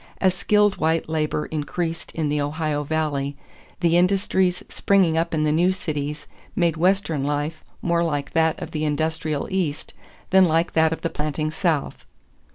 As skilled white labor increased in the Ohio Valley, the industries springing up in the new cities made Western life more like that of the industrial East than like that of the planting South.